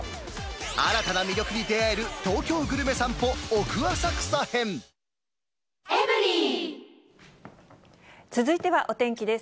新たな魅力に出会える東京グ続いてはお天気です。